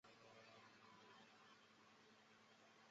努朗人口变化图示